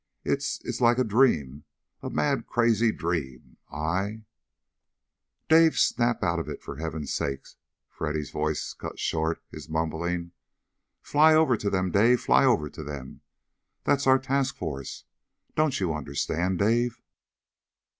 It's it's like a dream. A mad, crazy dream! I " "Dave, snap out of it, for Heaven's sake!" Freddy's voice cut short his mumbling. "Fly over to them. Fly over to them. That's our task force! Don't you understand, Dave?"